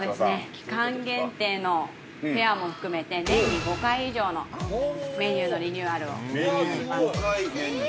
期間限定のフェアも含めて年に５回以上のメニューのリニューアルをしております。